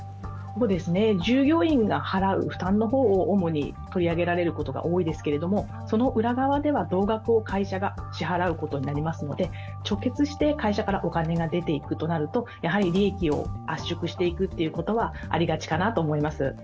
従業員が払う負担の方を、主に取り上げられることが多いですけれども、その裏側では同額を会社が支払うことになりますので直結して、会社から出ていくことになるとやはり利益を圧縮していくということは、ありがちかなと思います。